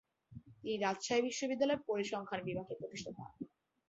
তিনি রাজশাহী বিশ্ববিদ্যালয়ের পরিসংখ্যান বিভাগের প্রতিষ্ঠাতা।